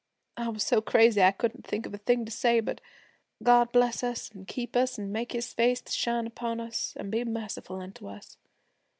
I was so crazy I couldn't think of a thing to say but "God bless us an' keep us an' make his face to shine upon us an' be merciful unto us."